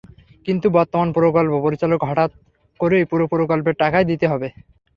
কিন্তু বর্তমান প্রকল্প পরিচালক হঠাৎ করেই পুরো প্রকল্পের টাকাই দিতে হবে।